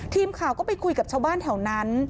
ทีมข่าวก็ไปคุยกับชาวบ้านแถวนั้น